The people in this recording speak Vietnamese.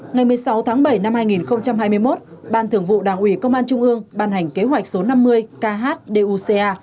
ngày một mươi sáu tháng bảy năm hai nghìn hai mươi một ban thưởng vụ đảng ủy công an trung ương ban hành kế hoạch số năm mươi khduca